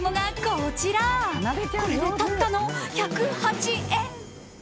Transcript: これでたったの１０８円。